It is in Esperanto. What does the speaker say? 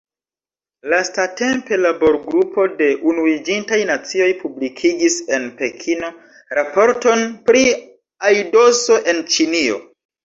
Lastatempe labor-grupo de Unuiĝintaj Nacioj publikigis en Pekino raporton pri aidoso en Ĉinio.